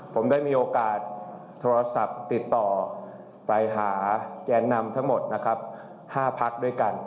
ผมได้มีโอกาสโทรศัพท์ติดต่อไปหาแกนนำทั้งหมดนะครับ๕พักด้วยกัน